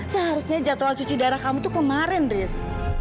seharusnya jadwal cuci darah kamu itu kemarin riz